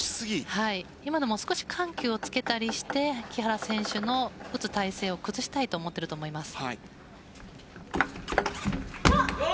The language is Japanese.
今のも少し緩急をつけたりして木原選手の打つ体勢を崩したいと思っていると思います。